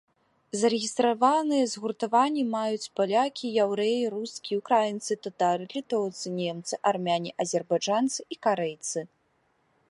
Зарэгістраваныя згуртаванні маюць палякі, яўрэі, рускія, украінцы, татары, літоўцы, немцы, армяне, азербайджанцы і карэйцы.